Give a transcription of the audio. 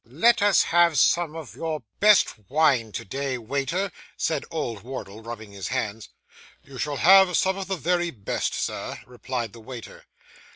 'Let us have some of your best wine to day, waiter,' said old Wardle, rubbing his hands. 'You shall have some of the very best, sir,' replied the waiter.